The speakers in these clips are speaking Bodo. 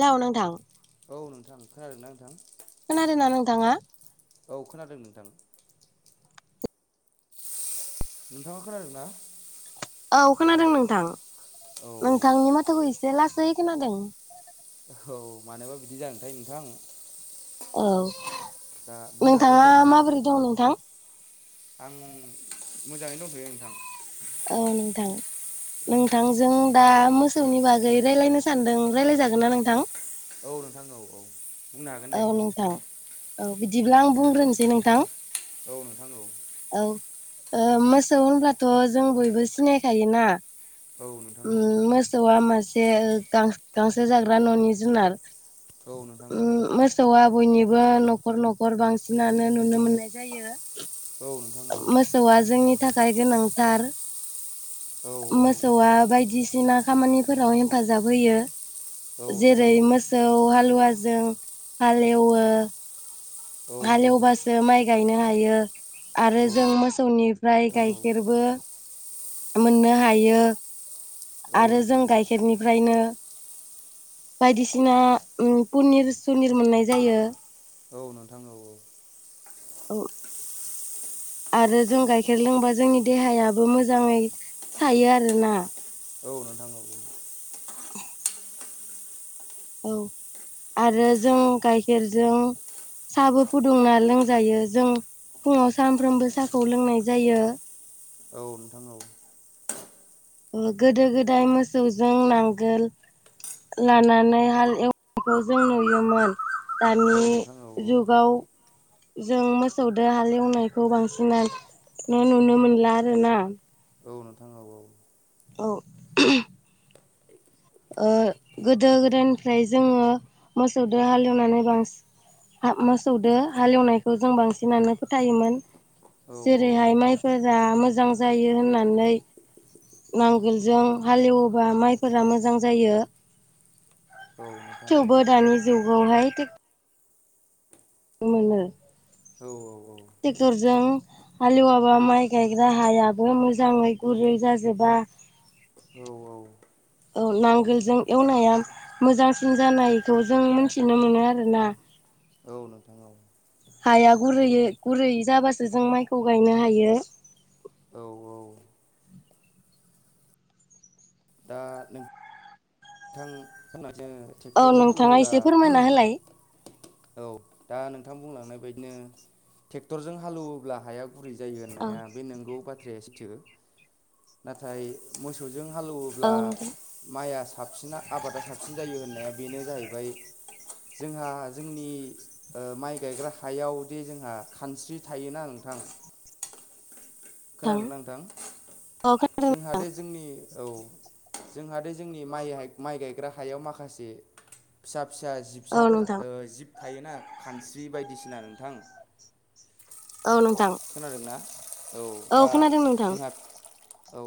हेल' नोंथां। औ नोंथां खोनादों ना नोंथां? खोनादोंना नोंथाङा? औ खोनादों नोंथां। नोंथाङा खोनादोंना? औ खोनादों नोंथां, औ नोंथांनि माथोखौ एसे लासै खोनादों। औ मानोबा बिदि जागोनथाय नोंथां। औ दा बुंनो हागोन दे नोंथाङा नोंथां माबोरै दं नोंथां? आं मोजाङै दं। औ नोंथां, नोंथांजों दा [unintelligible] मोसौनि बागै रायज्लायनो सानदों। रायज्लायजागोना नोंथां? औ नोंथां औ औ। बुंनो हागोन दे नोंथां। औ बिदिब्ला, आं बुंग्रोनोसै नोंथां। औ नोंथां औ। औ ओ मोसौ होनब्लाथ' जों बयबो सिनायखायोना? औ नोंथां औ ओम मोसौआ मासे गांसो जाग्रा न'नि जुनार। औ नोंथां औ हा बयनिबो न'खर -न'खर बांसिनानो नुनो मोननाय जायो। औ नोंथां औ मोसौआ जोंनि थाखाय गोनांथार। औ नोंथां औ मोसौआ बायदिसिना खामानिफोराव हेफाजाब होयो। औ नोंथां जेरै औ मोसौ हालुवाजों हालेवो। औ नोंथां औ नोंथां औ औ हालेवबासो माइ गायनो हायो। आरो औ जों नोंथां मोसौनिफ्राय गाइखेरबो मोननो हायो आरो जों गाइखेरनिफ्रायनो बायदिसिना पनिर सुनिर मोननाय जायो। औ नोंथां औ औ औ आरो जों गाइखेर लोंबा जोंनि देहायाबो मोजाङै थायो आरोना। औ नोंथां औ आरो जों गाइखेरजों साहाबो फुदुंना लोंजायो जों फुङाव सानफ्रोमबो साहाखौ लोंनाय जायो। औ नोंथां औ गोदो गोदाय मोसौजों नांगोल लानानै हाल एवनायखौ जों नुयोमोन। दानि नोंथां औ जुगाव जों मोसौदो हालेवनायखौ बांसिनानो नुनो मोनला आरोना। औ नोंथां औ औ औ ओ गोदो गोदायनिफ्राय जोङो मोसौजों हालेवनानै बांसिन हा मोसौदो हालेवनायखौ जों बांसिनानो फोथायोमोन। औ औ जेरैहाय औ माइफोरा मोजां जायो होननानै नांगोलजों हालेवोबा माइफोरा मोजां जायो। औ नोंथां औ थेवबो दानि जुगावहाय मोनो औ ट्रेक्टरजों हालेवाबा माइ गायग्रा हायाबो मोजाङै गुरयै जाजोबबा बा औ औ औ नांगोलजों एवनाया मोजांसिन जानायखौ जों मिथिनो मोनो आरो ना। औ नोंथां औ हाया गुरै गुरैयै जाबासो जों माइखौ गायनो हायो। औ औ दा नों [unintelligible] औ ट्रेक्टरजों नोंथाङा हालौला एसे फोरमायना होलाय औ दा नोंथां बुंलांनाय बायदिनो ट्रेक्टरजों हालेवोब्ला हाया गु गुरै जायो औ होननाया बे नोंगौ बाथ्राया सिथो नाथाय मोसौ जों औ हालौवोब्ला नोंथां माइआ साबसिना आबादा साबसिन जायो होननाय बेनो जाहैबाय जोंहा जोंनि माइ गायग्रा हायावदि जोंहा खानस्रि थायोना नोंथां खोनादों ना नोंथां औ खोनादों जोंहाथे जोंनि औ जोंहा दे जोंनि मा माइ गायग्रा हायाव माखासे फिसा फिसा औ जिबसाफोर नोंथां जिब थायोना खानस्रि बायदिसिना नोंथां औ नोंथां खोनादोंना औ दा खोनादों नोंथां जोंहा औ औ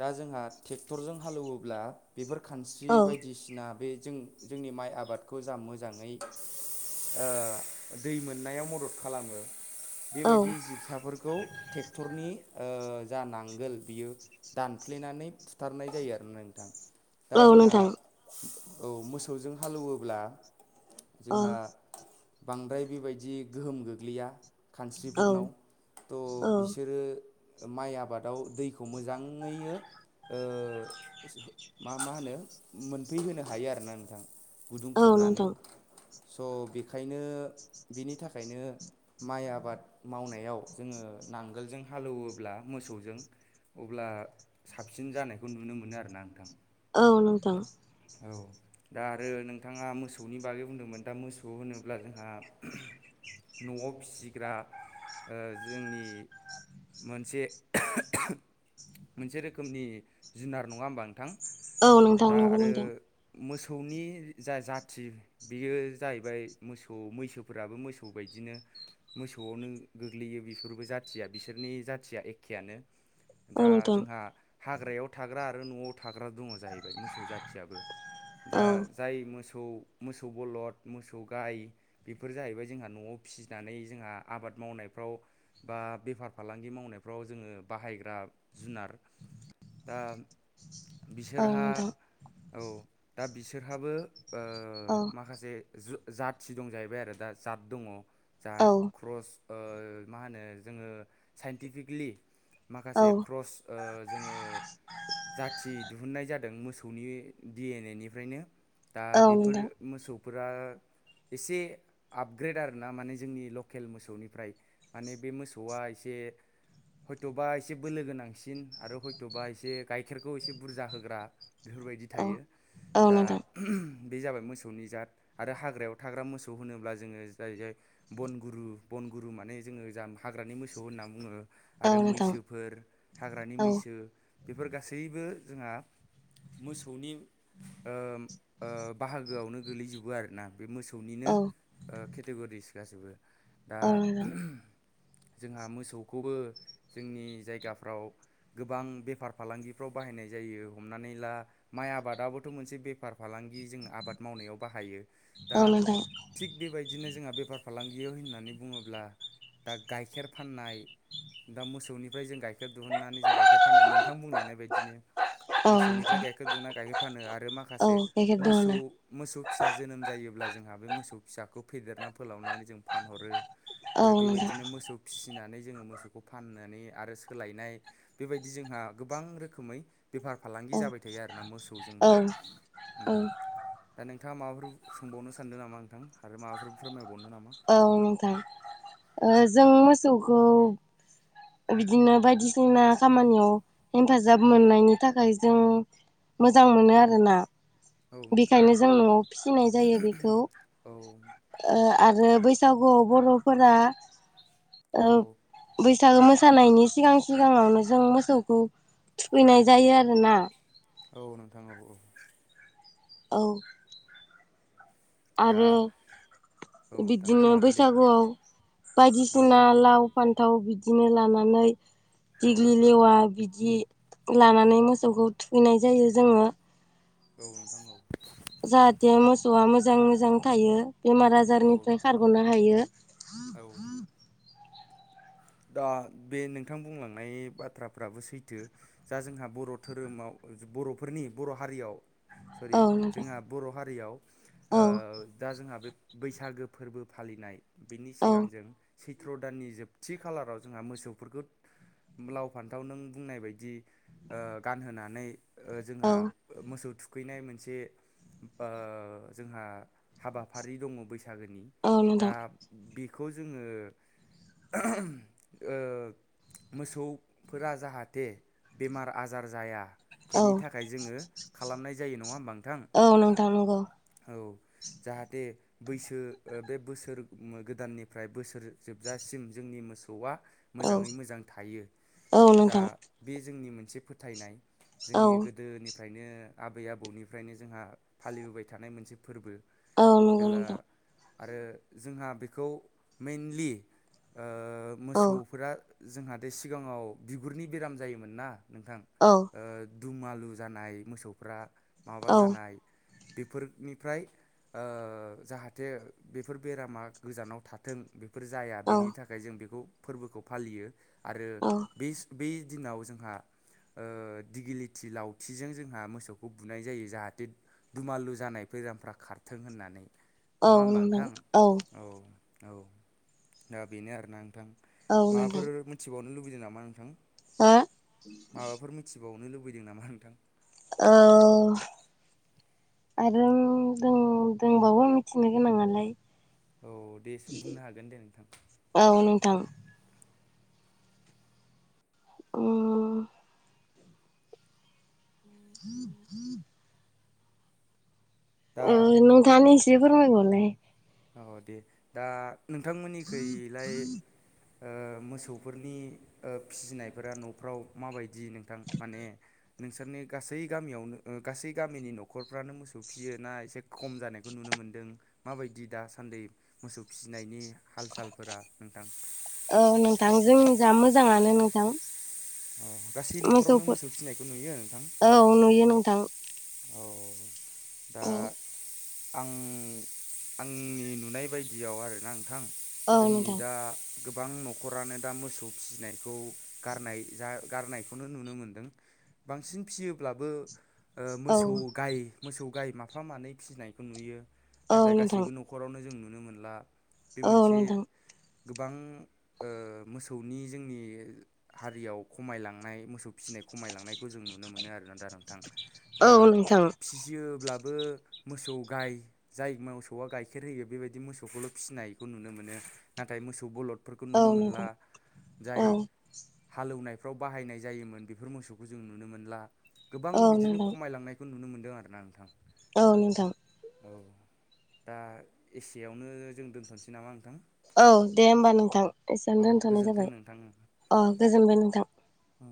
दा जोंहा ट्रेक्टरजों हालेवोब्ला बेफोर खानस्रि औ बायदिसिना बे जों जोंनि माइ आबादखौ जा मोजाङै ओ दै मोननायाव मदद खालामो औ बेबायदि जि फोरखौ ट्रेक्टरनि ओ जा नांगोल बियो दानफ्लेनानै फुथारनाय जायो आरोना नोंथां दा औ जोंहा नोंथां औ मोसौजों हालेवोब्ला औ जोंहा बांद्राय बेबायदि गोहोम गोग्लैया औ खान्स्रिफोरनाव थ' औ बिसोरो माइ आबादाव दैखौ मोजाङैयो ओ मा मा होनो मोनफैहोनो हायो आरोना नोंथां। गुदुं औ खुरनानै नोंथां स' बेखायनो बिनि थाखायनो माइ आबाद मावनायाव जोङो नांगोलजों हालौवोब्ला मोसौजों अब्ला साबसिन जानायखौ नुनो मोनो आरोना नोंथां। औ नोंथां। औ। दा आरो नोंथाङा मोसौनि बागै बुंदोंमोन दा मोसौ होनोब्ला जोंहा [unintelligible] न'आव फिसिग्रा ओ जोंनि मोनसे [unintelligible] मोनसे रोखोमनि जुनार नङा होमबा नोंथां औ नोंथां दा नोंगौ आरो नोंथां मोसौनि जा जाथि बेयो जाहैबाय मोसौ मैसोफोराबो मोसौ बायदि बिदिनो मोसौआवनो गोग्लैयो बेफोरबो जाथिया बिसोरनि जाथिया एखेयानो औ दा नोंथां जोंहा हाग्रायाव थाग्रा आरो न'आव थाग हाग्रा दङ जाहैबाय मोसौ जाथियाबो औ दा जाय मोसौ मोसौ मोसौ बलद मोसौ गाय बेफोर जाहैबाय जोंहा न'आव फिसिनानै जोंहा आबाद आबाद मावनायफ्राव बा बेफार फालांगि मावनायफ्राव जोङो बाहायग्रा जुनार दा औ बिसोरहा नोंथां औ दा बिसोरहाबो ओ औ माखासे जाथि दं जाहैबाय आरो दा जत दङ जा औ क्रस ओ मा होनो जोङो साइन्टिफिकलि माखासे औ क्रस जोङो जाथि दिहुन्नाय जादों मोसौनि डिएनए निफ्रायनो। दा औ बेफोर नोंथां मोसौफोरा इसे आपग्रेड आरोना माने जोंनि लकेल मोसौनिफ्राय माने बे मोसौआ इसे ए हयथ' बा इसे ए बोलोगोनांसिन आरो हयथ'बा इसे गाइखेरखौ इसे बुरजा होग्रा बेफोरबायदि औ थायो औ दा नोंथां [unintelligible] बे जाबाय मोसौनि जाद आरो हाग्रायाव थाग्रा मोसौ होनोब्ला जोङो जाय जाय बनगुरु ब अनगुरु माने जोङो जा हाग्रानि मोसौ होनना बुङो। औ आरो नोंथां मैसोफोर हाग्रानि औ मैसो बेफोर गासैबो जोंहा मोसौनि ओ ओ बाहागोआवनो गोलैजोबो आरोना। बे मोसौनिनो औ केटेगरिस गासैबो दा औ नोंथां [unintelligible] जोंहा मोसौखौबो जोंनि जायगाफ्राव गोबां बेफार फालांगिफ्राव बाहायनाय जायो हमनानै ला माइ आबादाबो मोन बेफार फालांगि ज आब मावनायाव बाहायो दा औ नोंथां थिग बेबायदिनो जोंहा बेफार फालांगियाव होननानै बुङोब्ला दा गाइखेर फाननाय दा मोसौनि गाइखेर दिहुननानै जों गाइखेर फानो नोंथां बुंलांनाय बायदिनो औ नोंथां मोसौनिफ्राय गाइखेर दुना गाइखेर फानो आरो औ माखासे गाइखेर मोसौ दंनो मोसौ फिसा जोनोम जायोब्ला जोंहा बे मोसौ फिसाखौ फेदेरना फोलावनानै जों फानहरो औ आरो नोंथां बेबायदिनो मोसौ फिसिनानै जोङो मोसौखौ फाननानै आरो सोलायनाय बेबायदि जोंहा गोबां रोखोमै बेफार फालांगि औ जाबाय थायो आरोना मोसौ ब जोंबो औ औ ओम दा नों नोंथाङा माबाफोर सोंबावनो सानदों नामा नोंथां आरो माबाफोर फोरमाय औ नोंथां ओ जों औ मोसौखौ बिदिनो बायदिसिना खामानियाव हेगथाजाब मोननायनि थाखाय जों मोजां मोनो आरोना। औ नोंथां बेखायनो औ जों न'आव फिनाय जायो बेखौ ओ औ आर आरो बैसागुआव बर'फोरा औ फिथागो मोसानायनि सिगां सिगाङावनो जों मोसौखौ थुखैनाय जायो आरोना औ नोंथां औ औ औ दा आरो औ नोंथां बिदिनो बुंनो हागोन दे बैसागुआव औ बायदिसिना लाव फान्थ फथाव बिदिनो लानानै औ दिग्लि लेवा बिदि जि लानानै मोसौखौ थुखैनाय जायो जोङो औ नोंथां औ जाहाथे मोसौआ मोजां मोजां थायो बेमार औ आजारनिफ्राय नोंथां औ खारग'नो हायो औ दा बे नोंथां बुंलांनाय बाथ्राफ्राबो सैथो जा जोंहा बर' धोरोमाव बर'फोरनि बर' हारियाव सरि औ नोंथां जोंहा बर' हारियाव औ दा जोंहा बे बैसागो फोरबो फालिनाय बिनि औ सिगां जों सैथ्र' दाननि जोब थि खालाराव जोंहा मोसौफोरखौ लाव फान्थाव नों बुंनाय बदि गानहोनानै औ जोंहा मोसौ थु थुखैनाय मोनसे जोंहा हाबाफारि दङ बैस बैसागोनि औ दा नोंथां बेखौ जोङो ओ मोसौफोरा जाहाथे बेमार आजार जाया औ बिनि थाखाय जोङो खालामनाय जायो नङा होमबाथां औ नोंथां नंगौ औ जाहाथे बैसो बे बोसोर गोदाननिफ्राय बोसोर जोबजासिम जोंनि मोसौआ औ मोजाङै मोजां थायो औ दा नोंथां बे जोंनि मोनसे फोथायनाय औ जोंनि गोदोनिफ्रायनो आबै आबौनिफ्रायनो जोंहा फालिबोबाय थानाय मोनसे फोरबो औ नंगौ जेला नोंथां आरो जोंहा बेखौ मेनलि औ मोसौफोरा जोंहाथे सिगाङाव बिगुरनि बेराम जायोमोन ना नोंथां औ दुमालु जानाय मोसौफ्रा माबा औ जानाय बेफोरनिफ्राय ओ जाहाथे बेफोर बेरामा गोजानाव थाथों फोर जाया औ बेनि थाखाय जों बेखौ फोरबोखौ फालियो आरो औ बे बै दिनाव जोंहा दिगिलिथि लावथिजों जोंहा मोसौखौ बुनाय जायो जाहाथे दुमालु जानाय बेरामफ्रा खारथों होननानै नङा औ होमबा नोंथां औ औ दा बेनो आरोना नोंथां। औ नोंथां माबाफोर मिथिबावनो लुबैदों नामा नोंथां? हो माबाफोर मिथिबावनो लुबैदों नामा नोंथां? औ आरो दोंबावो मिथिनो गोनांआलाय औ दे बुंनो हागोन दे नोंथां थां उम [unintelligible] दा उम नोंथाङानो एसे फोरमाय बावलाय‌। औ दे दा नोंथांमोननिखैलाय मोसौफोरनि फिसिनायफोरा न'फ्राव माबायदि नोंथां माने नोंसोरनि गासै गामियावनो गासै गामिनि न'खरफ्रानो मोसौ फियो ना एसे खम जानायखौ नुनो मोनो मोनदों मा बायदि दाासान्दि मोसौ फिसिनायनि हाल सालफोरा नोंथां औ नोंथां जोंनि जा मोजाङानो नोंथां। अ गासै न'खरावनो मोसौफोर मोसौ फिसिनायखौ नुयो नोंथां। औ नुयो नोंथां औ दा। औ आं आंनि नुनाय बायदियाव आरोना आं। औ जोंनि नोंथां दा। गोबां न'खरानो दा मोसौ फिसिनायखौ गारनाय जा गारनायखौनो नुनो मोनदों। बांसिन फियोब्लाबो। औ मोसौ गाय मोसौ गाय माफा मानै फिसिनायखौ नुयो। औ नाथाय नोंथां गासैबो न'खरावनो जों नुनो मोनला बे औ मोनसे। नोंथां गोबां मोसौनि जोंनि हारियाव खमायलांनाय मोसौ। फिसिनाय खमायलांनायखौ जों नुनो मोनो आरोना नोंथां दा औ नोंथां फिसियोब्ला। बो। मोसौ गाय जाय मोसौआ गाइखेर होयो बेबायदि मोसौखौल' फिसिनायखौ नुनो मोनो नाथाय। मोसौ बलदफोरखौ औ नुनो मोनला नोंथां जाय। औ हालेवनायफ्राव बाहायनाय जायोमोन बेफोर मोसौखौ जों नुनो मोनला गोबां औ बिदिनो। नोंथां खमायलांनायखौ नुनो मोनदों आरो ना नोंथां। औ नोंथां। औ दा एसेयावनो जों दोनथ'नोसै नामा नोंथां। औ दे होमबा नोंथां एसेबनो औ दोनथ'नाय गोजोन्थों जाबाय अ गोजोनबाय नोंथां। औ।